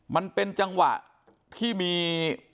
มันเป็นจังหวะที่มี